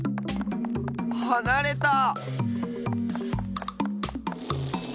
はなれた！